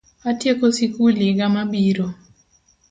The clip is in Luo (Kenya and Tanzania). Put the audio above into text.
Atieko sikul yiga mabiro